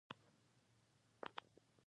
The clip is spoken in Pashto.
کله کله به د مهاجرو هيليو يو يو سيل هم تېر شو.